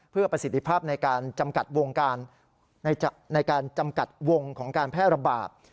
เพื่อประสิทธิภาพในการจำกัดวงการในการจำกัดวงของการแพร่ระบาด